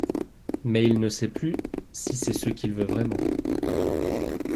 Mais il ne sait plus si c'est ce qu'il veut vraiment.